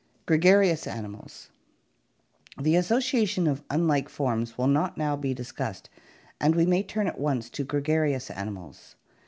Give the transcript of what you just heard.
gregarious animals The association of unlike forms will not now be discussed and we may turn at once to gregarious animals.